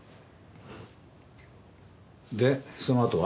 でそのあとは？